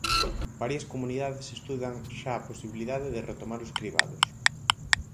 Varias comunidades estudan xa a posibilidade de retomar os cribados.